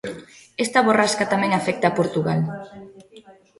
Esta borrasca tamén afecta Portugal.